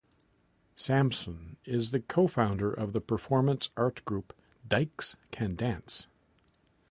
Samson is a co-founder of the performance art group "Dykes Can Dance".